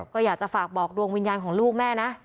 ก็อยากจะฝากบอกดวงวิญญาณของลูกแม่นะ